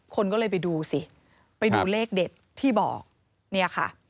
คนก็เลยไปดูสิไปดูเลขเด็ดที่บอก